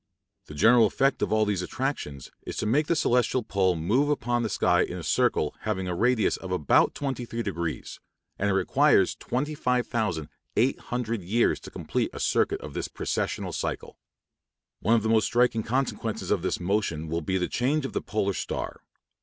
The general effect of all these attractions is to make the celestial pole move upon the sky in a circle having a radius of about 23½ degrees; and it requires 25,800 years to complete a circuit of this precessional cycle. One of the most striking consequences of this motion will be the change of the polar star.